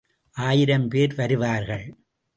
ஆயிரம் பேர் வருவார்கள்.